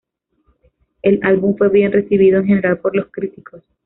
El álbum fue bien recibido en general por los críticos.